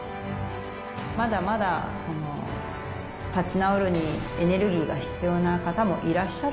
まだまだ、立ち直るにエネルギーが必要な方もいらっしゃる。